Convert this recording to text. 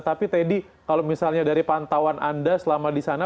tapi teddy kalau misalnya dari pantauan anda selama di sana